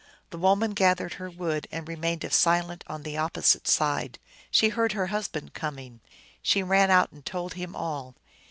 The woman gathered her wood, and remained as silent on the opposite side. She heard her husband coming. She ran out and told him all.